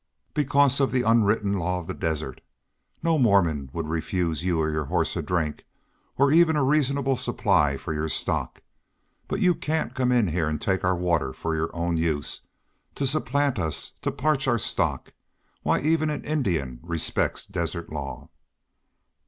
"Because of the unwritten law of the desert. No Mormon would refuse you or your horse a drink, or even a reasonable supply for your stock. But you can't come in here and take our water for your own use, to supplant us, to parch our stock. Why, even an Indian respects desert law!"